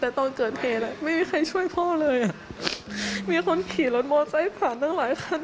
แต่ตอนเกิดเฮล่ะไม่มีใครช่วยพ่อเลยอ่ะมีคนขี่รถโม้ใส่ผ่านทั้งหลายขั้น